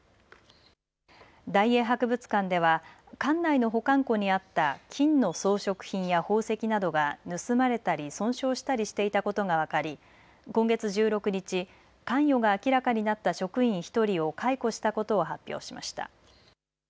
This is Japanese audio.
大英博物館では館内の保管庫にあった金の装飾品や宝石などが盗まれたり損傷したりしていたことが分かり、今月１６日、関与が明らかになった職員１人を解雇したことを発表しました。